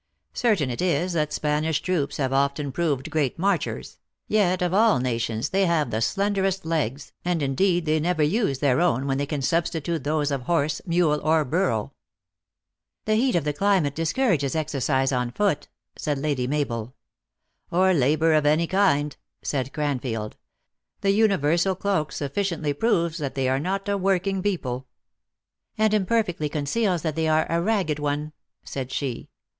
Certain it is that Spanish troops have often proved great marchers; yet of all nations they have the slenderest legs, and indeed they never use their own when they can substitute those of horse, mule, or burro" " The heat of the climate discourages exercise on foot," said Lady Mabel. 294 THE ACTKESS IN HIGH LIFE. "Or labor of any kind," said Cranfield. "The universal cloak sufficiently proves that they are not a working people." " And imperfectly conceals that they are a ragged one," said she.